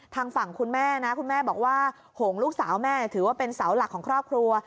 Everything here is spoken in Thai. ทางฝั่งคุณแม่นะคุณแม่บอกว่าหงลูกสาวแม่ถือว่าเป็นเสาหลักของครอบครัว